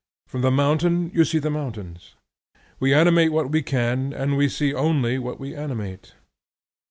From the mountain you see the mountain. We animate what we can, and we see only what we animate.